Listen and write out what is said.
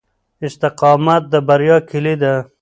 استقامت د بریا کیلي ده.